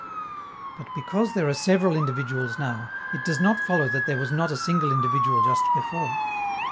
But, because there are several individuals now, it does not follow that there was not a single individual just before.